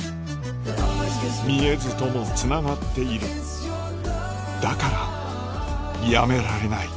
見えずともつながっているだからやめられない